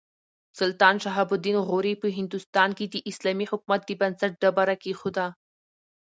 سلطان شهاب الدین غوري په هندوستان کې د اسلامي حکومت د بنسټ ډبره کېښوده.